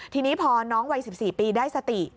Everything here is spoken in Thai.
ทีนี้พอน้องวัย๑๔ปีได้สติ